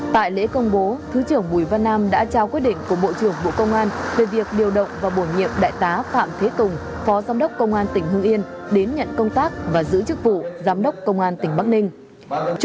tại lễ công bố thứ trưởng bùi văn nam đã trao quyết định của bộ trưởng bộ công an về việc điều động và bổ nhiệm đại tá phạm thế tùng phó giám đốc công an tỉnh hương yên đến nhận công tác và giữ chức vụ giám đốc công an tỉnh bắc ninh